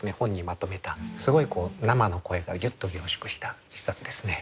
まとめたすごい生の声がギュッと凝縮した一冊ですね。